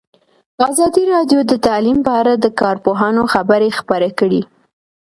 ازادي راډیو د تعلیم په اړه د کارپوهانو خبرې خپرې کړي.